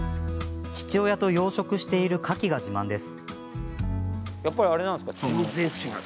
父親と養殖しているかきが自慢です。